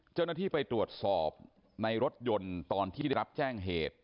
เจ้าหน้าที่ไปตรวจสอบในรถยนต์ตอนที่ได้รับแจ้งเหตุ